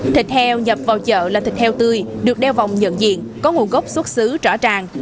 thịt heo nhập vào chợ là thịt heo tươi được đeo vòng nhận diện có nguồn gốc xuất xứ rõ ràng